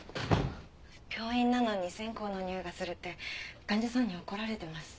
病院なのに線香のにおいがするって患者さんに怒られてます。